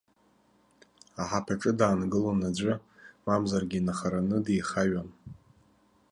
Аҳаԥаҿы даангылон аӡәы, мамзаргьы инахараны дихаҩон.